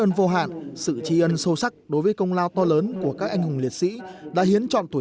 ơn vô hạn sự tri ân sâu sắc đối với công lao to lớn của các anh hùng liệt sĩ đã hiến chọn tuổi